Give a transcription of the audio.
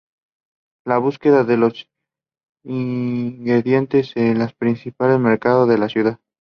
La búsqueda de los ingredientes en los principales mercados de la ciudad.